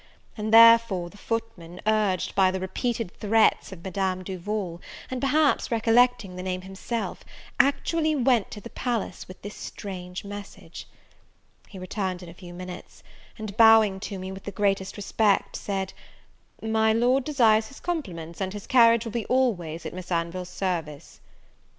and therefore the footman, urged by the repeated threats of Madame Duval, and perhaps recollecting the name himself, actually went to the palace with this strange message! He returned in a few minutes; and, bowing to me with the greatest respect, said, "My Lord desires his compliments, and his carriage will be always at Miss Anville's service."